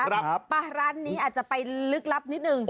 ครับไปร้านนี้อาจจะไปลึกลับนิดนึง